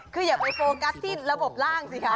คืออย่าไปโฟกัสที่ระบบล่างสิคะ